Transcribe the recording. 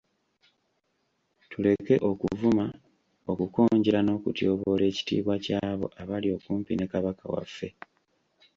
Tuleke okuvuma, okukonjera n'okutyoboola ekitiibwa ky'abo abali okumpi ne Kabaka waffe .